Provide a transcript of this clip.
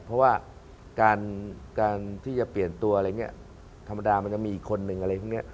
เพราะว่าการที่จะเปลี่ยนตัวอะไรอย่างนี้ธรรมดามันจะมีอีกคนนึงอะไรพวกนี้